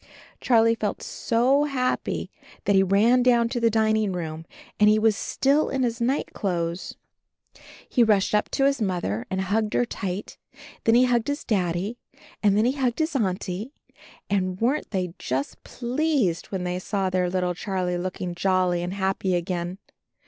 Charley felt so happy that he ran down to AND HIS KITTEN TOPSY 61 the dining room, and he was still in his night clothes. He rushed up to his Mother and hugged her tight, then he hugged his Daddy, and then he hugged his Auntie — and weren't they just pleased when they saw their little Charlie looking jolly and happy again!